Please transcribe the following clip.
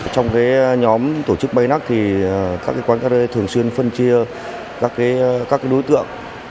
trong nhóm tổ chức bayluck các quán karaoke thường xuyên phân chia các đối tượng